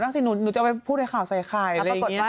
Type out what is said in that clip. อนาคตหนูจะเอาไว้พูดให้ข่าวใส่อะไรอย่างนี้